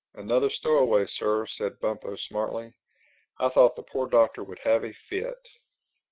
"Another stowaway, Sir," said Bumpo smartly. I thought the poor Doctor would have a fit.